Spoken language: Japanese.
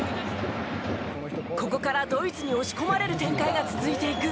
ここからドイツに押し込まれる展開が続いていく。